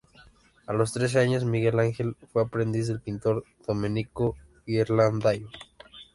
A los trece años, Miguel Ángel fue aprendiz del pintor Domenico Ghirlandaio.